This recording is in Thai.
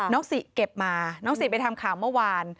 สิเก็บมาน้องสิไปทำข่าวเมื่อวาน